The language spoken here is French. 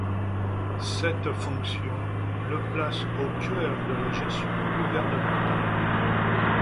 Cette fonction le place au cœur de la gestion gouvernementale.